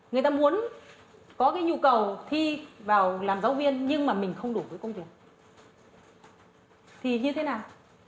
người ta muốn có cái nhu cầu thi vào làm giáo viên nhưng mà mình không đủ với công ty